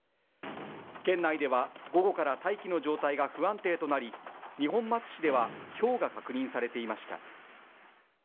県内では午後から大気の状態が不安定となり、二本松市ではひょうが確認されていました。